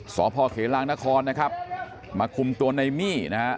สพเขลางนครนะครับมาคุมตัวในมี่นะฮะ